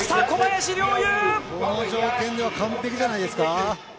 この条件では完璧じゃないですか。